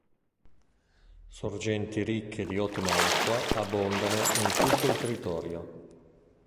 Sorgenti ricche di ottima acqua abbondano in tutto il territorio.